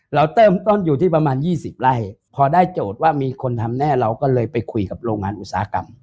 เราเริ่มต้นอยู่ที่ประมาณ๒๐ไร่พอได้โจทย์ว่ามีคนทำแน่เราก็เลยไปคุยกับโรงงานอุตสาหกรรม